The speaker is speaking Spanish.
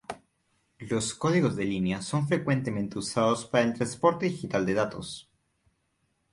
Los códigos de línea son frecuentemente usados para el transporte digital de datos.